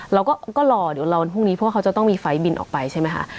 เราก็รอเดี๋ยวรอวันพรุ่งนี้เพราะว่าเขาจะต้องมีไฟล์บินออกไปใช่ไหมคะ